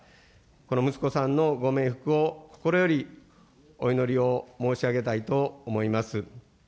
この息子さんのご冥福を心よりお祈りを申し上げたいと思います。